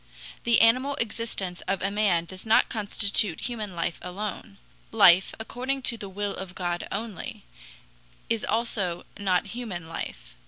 The animal existence of a man does not constitute human life alone. Life, according to the will of God only, is also not human life.